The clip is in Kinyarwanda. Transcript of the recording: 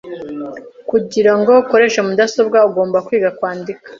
Kugirango ukoreshe mudasobwa, ugomba kwiga kwandika.